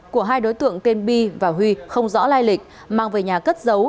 của hai đối tượng tên bi và huy không rõ lai lịch mang về nhà cất giấu